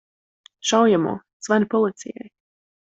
Šaujamo! Zvani policijai!